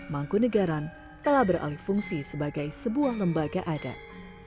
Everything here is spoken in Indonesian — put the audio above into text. mangkunagaran telah beralih fungsi sebagai sebuah lembaga adat